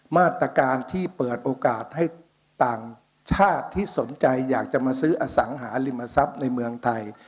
มาตรการที่เปิดโอกาสให้ต่างชาติที่สนใจอยากจะมาซื้ออสังหาริมทรัพย์ในเมืองไทย